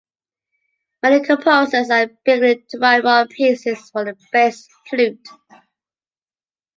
Many composers are beginning to write more pieces for the bass flute.